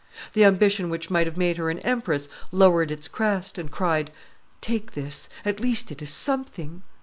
The ambition which might have made her an empress lowered its crest, and cried, "Take this; at least it is something."